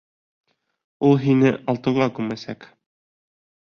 Ул һине алтынға күмәсәк!